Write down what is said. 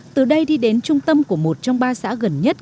từ đây đi đến trung tâm của một trong ba xã gần nhất